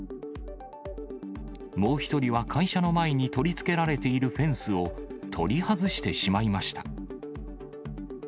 もう１人は会社の前に取り付けられているフェンスを取り外してしまいました。